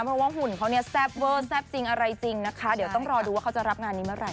เพราะว่าหุ่นเขาเนี่ยแซ่บเวอร์แซ่บจริงอะไรจริงนะคะเดี๋ยวต้องรอดูว่าเขาจะรับงานนี้เมื่อไห